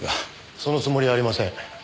そのつもりはありません。